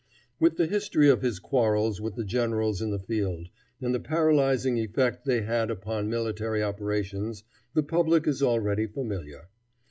With the history of his quarrels with the generals in the field, and the paralyzing effect they had upon military operations, the public is already familiar.